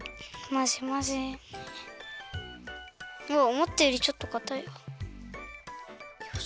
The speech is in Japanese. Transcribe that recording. おもったよりちょっとかたいわ。